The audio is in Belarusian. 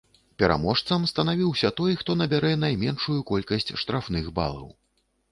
Пераможцам станавіўся той, хто набярэ найменшую колькасць штрафных балаў.